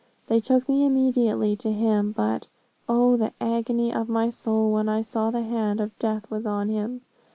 They took me immediately to him; but O, the agony of my soul, when I saw the hand of death was on him!